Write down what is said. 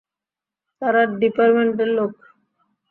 তারা ডিপার্টমেন্টের লোক।